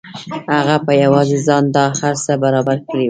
هغه په یوازې ځان دا هر څه برابر کړي وو